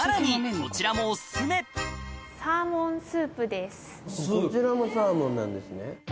こちらもサーモンなんですね。